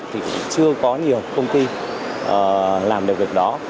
thì cũng chưa có nhiều công ty làm được việc đó